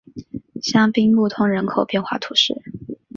香槟穆通人口变化图示